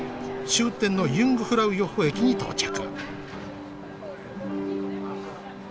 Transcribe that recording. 終点のユングフラウヨッホ駅に到着。